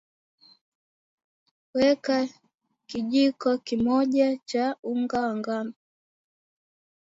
weka kijiko kimoja cha unga ngano